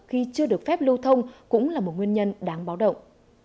khi chưa được phép lưu thông cũng là một nguyên nhân đáng báo động